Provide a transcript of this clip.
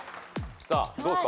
さあどうっすか？